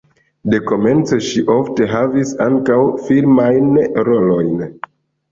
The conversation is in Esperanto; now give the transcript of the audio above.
Dekomence ŝi ofte havis ankaŭ filmajn rolojn.